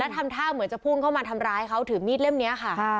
ทำท่าเหมือนจะพุ่งเข้ามาทำร้ายเขาถือมีดเล่มนี้ค่ะ